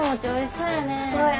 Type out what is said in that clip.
そうやね。